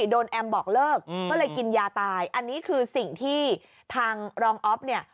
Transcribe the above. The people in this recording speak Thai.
แอมบอกเลิกก็เลยกินยาตายอันนี้คือสิ่งที่ทางรองอ๊อฟเนี่ย